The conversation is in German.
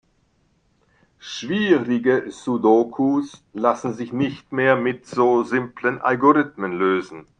Schwierige Sudokus lassen sich nicht mehr mit so simplen Algorithmen lösen.